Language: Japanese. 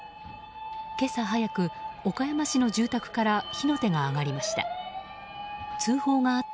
今朝早く、岡山市の住宅から火の手が上がりました。